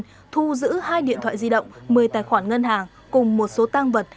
thu giữ hai điện thoại di động một mươi tài khoản ngân hàng cùng một số tăng vật